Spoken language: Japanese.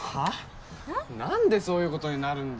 なんでそういうことになるの？